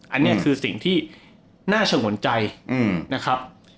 อันนี้คือสิ่งที่น่าชะงนใจนะครับ